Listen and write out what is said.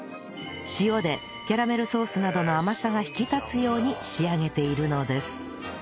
塩でキャラメルソースなどの甘さが引き立つように仕上げているのです